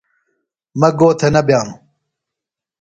مہ گو تھےۡ نہ بئانوۡ۔